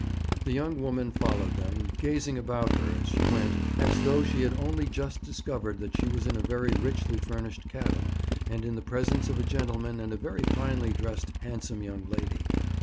The young woman followed them, gazing about her as she went as though she had only just discovered that she was in a very richly furnished cabin, and in the presence of a gentleman and a very finely dressed, handsome young lady.